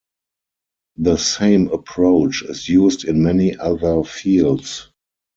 The same approach is used in many other fields.